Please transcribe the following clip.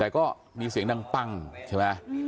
ก็มีเสียงนั่งปั้งใช่ไหม